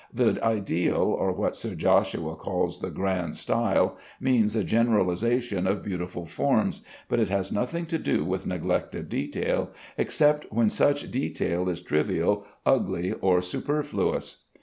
The "ideal," or what Sir Joshua calls the grand style, means a generalization of beautiful forms, but it has nothing to do with neglect of detail, except when such detail is trivial, ugly, or superfluous.